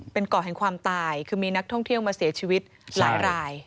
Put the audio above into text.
เป็นเกาะแห่งความตายคือมีนักท่องเที่ยวมาเสียชีวิตหลายราย